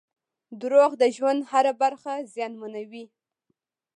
• دروغ د ژوند هره برخه زیانمنوي.